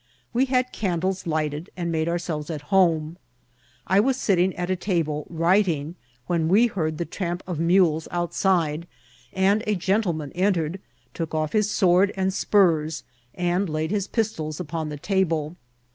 We had candles lighted, and made ourselves at home. I was sitting at a table writing, when we heard the tramp of mules outside, and a gentleman entered, took off his sword and spurs, and laid his pistols upon the table.